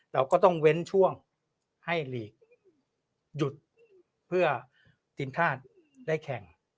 เราก็ต้องเว้นช่วงให้หลีกหยุดเพื่อทีมชาติได้แข่ง